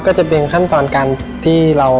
ก็จะเป็นขั้นตอนการที่เรา